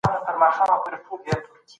فکري قوې په اروپا کي تحول راوست.